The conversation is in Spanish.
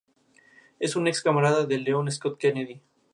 Es un ex camarada de Leon Scott Kennedy.